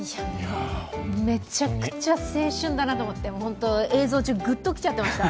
めちゃくちゃ青春だなと思って、映像中ぐっときちゃってました。